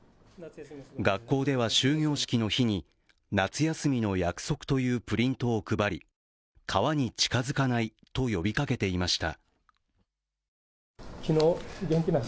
学校では終業式の日に夏休みの約束というプリントを配り「かわにちかづかない」と呼びかけていました。